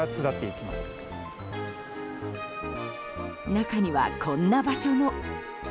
中には、こんな場所も。